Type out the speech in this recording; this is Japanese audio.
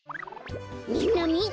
みんなみて。